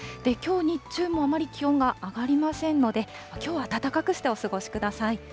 きょう日中もあまり気温が上がりませんので、きょうは暖かくしてお過ごしください。